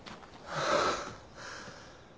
はあ。